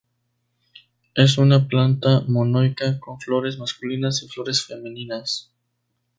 Es una planta monoica con flores masculinas y flores femeninas.